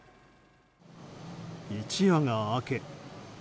一夜が明け。